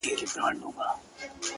ماخو ستا غمونه ځوروي گلي .